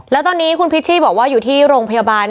แล้วตอนนี้คุณพิชชี่บอกว่าอยู่ที่โรงพยาบาล